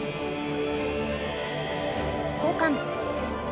交換。